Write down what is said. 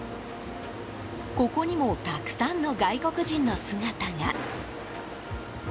ここにもたくさんの外国人の姿が。